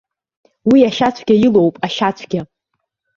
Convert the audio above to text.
Уи ашьацәгьа илоуп, ашьацәгьа!